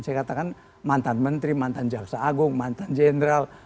saya katakan mantan menteri mantan jaksa agung mantan jenderal